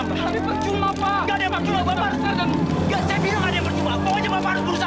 baik pak baik baik baik baik